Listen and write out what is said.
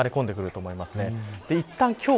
確実に流れ込んでくると思います。